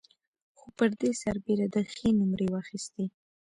خو پر دې سربېره ده ښې نومرې واخيستې.